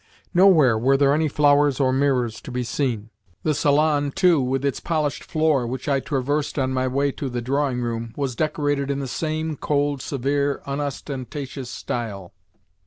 Nowhere were there any flowers or mirrors to be seen. The salon, too, with its polished floor, which I traversed on my way to the drawing room, was decorated in the same cold, severe, unostentatious style.